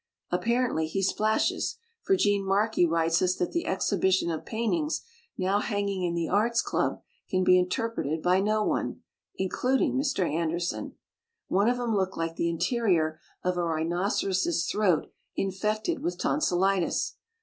Apparently he splashes, for Gene Markey writes us that the exhibition of paintings now hanging in the Arts Club can be inter preted by no one (including Mr. An derson) : "one of 'em looked like the interior of a rhinoceros's throat in fected with tonsilitis.